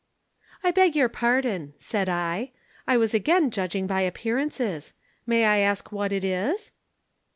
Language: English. "'I beg your pardon,' said I. 'I was again judging by appearances. May I ask what it is?'